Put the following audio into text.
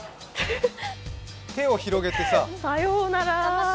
手を広げてさ。